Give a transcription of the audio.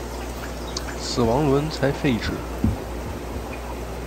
死亡轮才废止。